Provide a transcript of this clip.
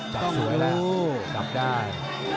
จับสวยแล้วจับได้